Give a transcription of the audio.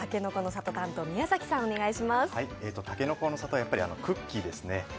たけのこの里はやっぱりクッキーですね。